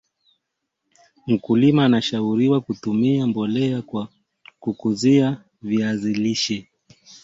mkulima anashauriwa kutumia mbolea kwa kukuza wa viazi lishe